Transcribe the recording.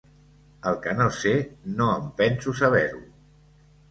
El que no sé no em penso saber-ho.